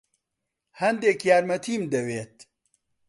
هەندێک یارمەتیم دەوێت.